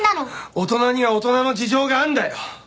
大人には大人の事情があるんだよ！